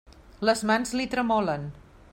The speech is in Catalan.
Les mans li tremolen.